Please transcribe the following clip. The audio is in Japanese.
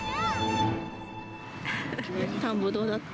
田んぼ、どうだった？